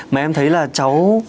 mà em thấy là cháu